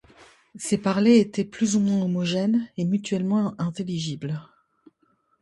Ces parlers étaient plus ou moins homogènes et mutuellement intelligibles.